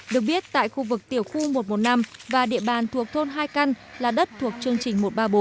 được biết tại khu vực tiểu khu một trăm một mươi năm và địa bàn thuộc thôn hai căn là đất thuộc chương trình một trăm ba mươi bốn